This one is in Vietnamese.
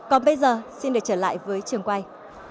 còn bây giờ xin được trở lại với trường quay